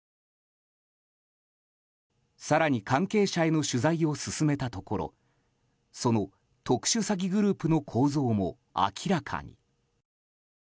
更に関係者への取材を進めたところその特殊詐欺グループの構造も明らかに。